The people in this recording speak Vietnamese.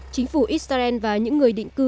chính phủ israel và những người định cư